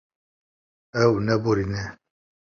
Ew naborîne.